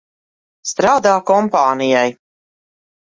Strādā kompānijai.